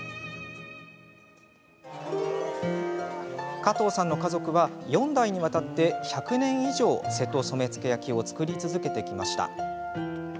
加藤さんの家族は４代にわたって１００年以上瀬戸染付焼を作り続けてきました。